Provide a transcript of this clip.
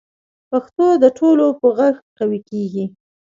پښتو د ټولو په غږ قوي کېږي.